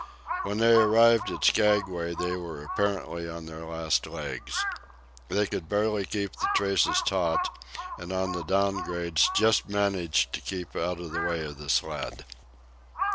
When they arrived at Skaguay they were apparently on their last legs. They could barely keep the traces taut, and on the down grades just managed to keep out of the way of the sled.